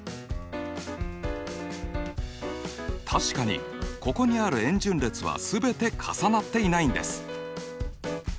確かにここにある円順列は全て重なっていないんです。